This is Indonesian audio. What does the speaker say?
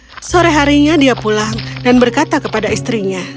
menemukan solusi sederhananya dia pulang dan berkata kepada istrinya